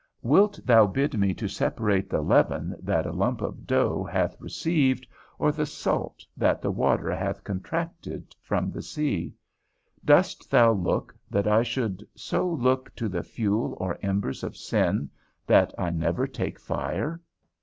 Wilt thou bid me to separate the leaven that a lump of dough hath received, or the salt, that the water hath contracted, from the sea? Dost thou look, that I should so look to the fuel or embers of sin, that I never take fire?